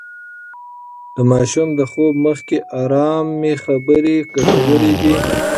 د ماشوم د خوب مخکې ارام خبرې ګټورې دي.